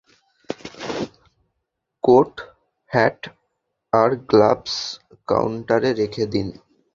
Coat, hat আর gloves, কাউন্টারে রেখে দিন।